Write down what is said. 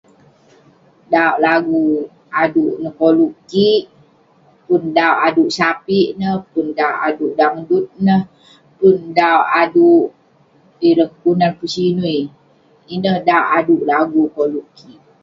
Dauk lagu aduk yah koluk kik, pun dauk aduk sapik neh, pun dauk aduk dangdut neh, pun dauk aduk ireh kelunan pesinui, ineh dauk aduk lagu koluk kik..